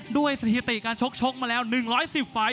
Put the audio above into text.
ด้วยสถิติการชกมาแล้ว๑๑๐ไฟล์